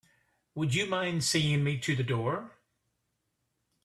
Would you mind seeing me to the door?